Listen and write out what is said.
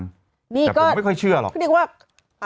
แต่แค่ผมไม่ค่อยเชื่อหรอกนี่ก็เขาเดี๋ยวว่า